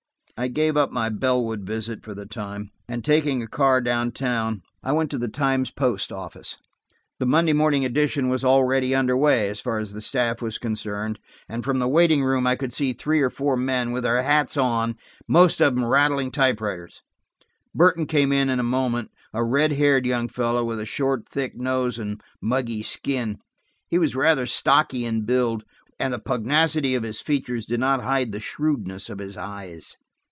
I gave up my Bellwood visit for the time, and taking a car down town, I went to the Times Post office. The Monday morning edition was already under way, as far as the staff was concerned, and from the waiting room I could see three or four men, with their hats on, most of them rattling typewriters. Burton came in in a moment, a red haired young fellow, with a short thick nose and a muggy skin. He was rather stocky in build, and the pugnacity of his features did not hide the shrewdness of his eyes.